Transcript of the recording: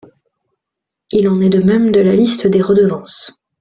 Il en est de même de la liste des redevances.